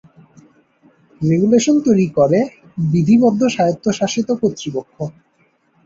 Regulation তৈরি করে বিধিবদ্ধ স্বায়ত্বশাসিত কর্তৃপক্ষ।